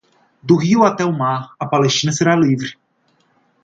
Do Rio até o Mar, a Palestina será livre!